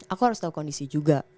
aku harus tahu kondisi juga